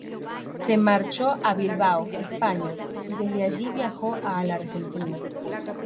Se marchó a Bilbao, España, y desde allí viajó a la Argentina.